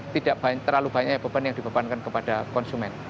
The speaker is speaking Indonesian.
tidak terlalu banyak beban yang dibebankan kepada konsumen